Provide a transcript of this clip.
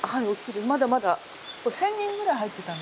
まだまだこれ１，０００人ぐらい入ってたので。